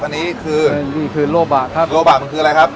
อันนี้คือนี่คือโลบะครับโลบะมันคืออะไรครับ